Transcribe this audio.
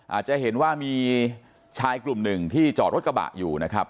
อาจจะเห็นว่ามีชายกลุ่มหนึ่งที่จอดรถกระบะอยู่นะครับ